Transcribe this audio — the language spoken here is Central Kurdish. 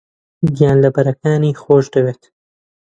گیانلەبەرەکانی خۆش دەوێت.